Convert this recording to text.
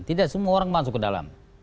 tidak semua orang masuk ke dalam